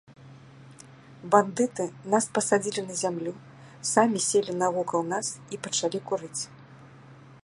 Бандыты нас пасадзілі на зямлю, самі селі навокал нас і пачалі курыць.